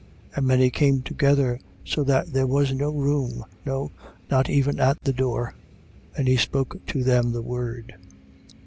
And many came together, so that there was no room: no, not even at the door. And he spoke to them the word.